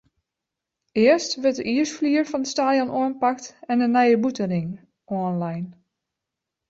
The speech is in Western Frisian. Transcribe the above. Earst wurdt de iisflier fan it stadion oanpakt en de nije bûtenring oanlein.